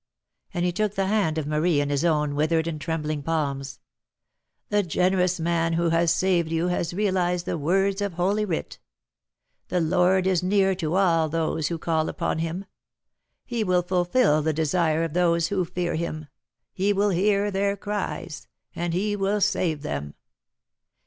And he took the hand of Marie in his own withered and trembling palms. "The generous man who has saved you has realised the words of Holy Writ, 'The Lord is near to all those who call upon him; he will fulfil the desire of those who fear him; he will hear their cries, and he will save them.'